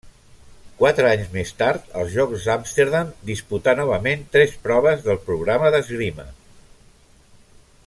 Quatre anys més tard, als Jocs d'Amsterdam, disputà novament tres proves del programa d'esgrima.